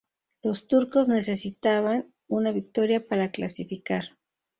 Los turcos necesitaban una victoria para clasificar.